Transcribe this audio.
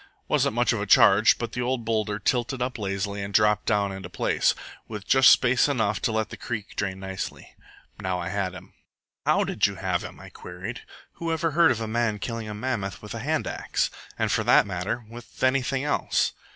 Wasn't much of a charge, but the old boulder tilted up lazily and dropped down into place, with just space enough to let the creek drain nicely. Now I had him." "But how did you have him?" I queried. "Who ever heard of a man killing a mammoth with a hand axe? And, for that matter, with anything else?"